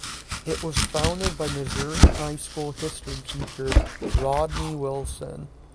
It was founded by Missouri high-school history teacher Rodney Wilson.